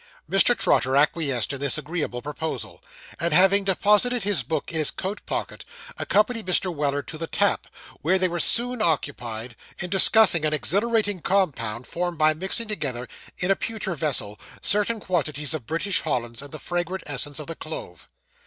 Mr. Trotter acquiesced in this agreeable proposal; and having deposited his book in his coat pocket, accompanied Mr. Weller to the tap, where they were soon occupied in discussing an exhilarating compound, formed by mixing together, in a pewter vessel, certain quantities of British Hollands and the fragrant essence of the clove.